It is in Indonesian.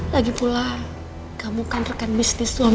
lagi pula kamu kan rekan bisnis suami